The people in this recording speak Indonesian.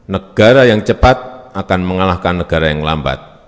negara yang cepat akan mengalahkan negara yang lambat